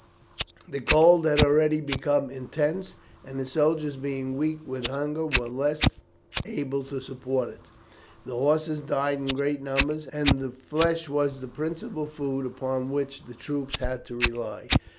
The cold had already become intense, and the soldiers being weak with hunger were the less able to support it. The horses died in great numbers, and their flesh was the principal food upon which the troops had to rely.